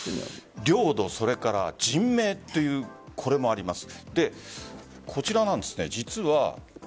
領土、それから人命というこれもあります。